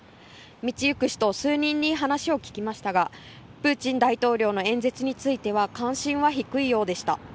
道行く人数人に話を聞きましたがプーチン大統領の演説については関心は低いようでした。